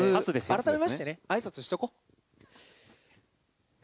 改めましてね、あいさつしとこう。